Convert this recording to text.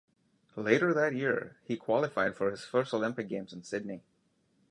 Later that year he qualified for his first Olympic Games in Sydney.